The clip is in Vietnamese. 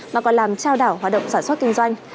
mà còn làm trao đảo hoạt động sản xuất kinh doanh